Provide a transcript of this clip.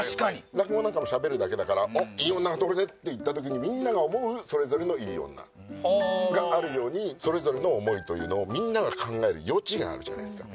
落語なんかもしゃべるだけだから「おっいい女が通るね」って言った時にみんなが思うそれぞれのいい女があるようにそれぞれの思いというのをみんなが考える余地があるじゃないですか。